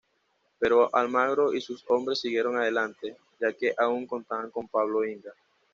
Pero Almagro y sus hombres siguieron adelante, ya que aún contaban con Pablo Inga.